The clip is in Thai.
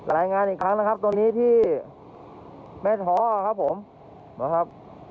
รายงานอีกครั้งนะครับตรงนี้ที่แม่ท้อครับผมนะครับ